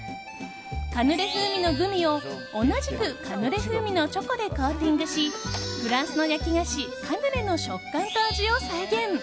カヌレ風味のグミを同じくカヌレ風味のチョコでコーティングしフランスの焼き菓子カヌレの食感と味を再現。